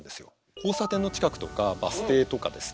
交差点の近くとかバス停とかですね